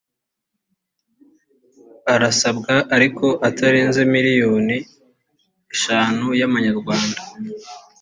arasabwa ariko atarenze miliyoni eshanu y’amanyarwanda